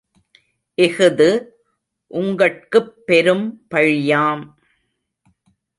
இஃது உங்கட்குப் பெரும்பழியாம்.